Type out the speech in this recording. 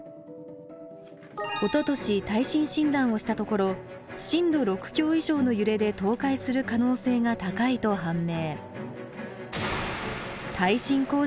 おととし耐震診断をしたところ震度６強以上の揺れで倒壊する可能性が高いと判明。